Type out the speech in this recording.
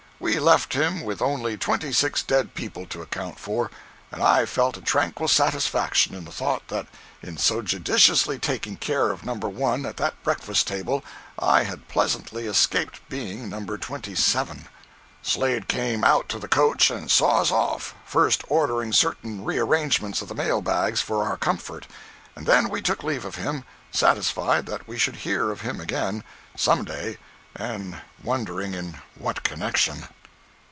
We left him with only twenty six dead people to account for, and I felt a tranquil satisfaction in the thought that in so judiciously taking care of No. 1 at that breakfast table I had pleasantly escaped being No. 27. Slade came out to the coach and saw us off, first ordering certain rearrangements of the mail bags for our comfort, and then we took leave of him, satisfied that we should hear of him again, some day, and wondering in what connection.